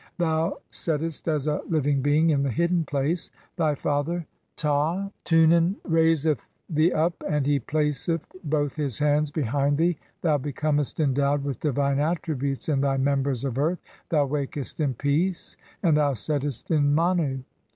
Thou settest "as a living being (11) in the hidden place. Thy father [Ta ] "tunen raiseth thee up and he placeth both his hands behind "thee ; thou becomest endowed with divine attributes in [thv] "members of earth ; thou wakest in peace and thou settest (12) "in Manu.